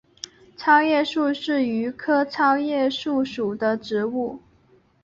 糙叶树是榆科糙叶树属的植物。